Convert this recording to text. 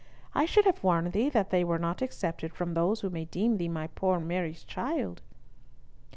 I should have warned thee that they were not excepted from those who may deem thee my poor Mary's child."